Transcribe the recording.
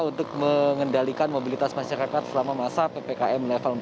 untuk mengendalikan mobilitas masyarakat selama masa ppkm level empat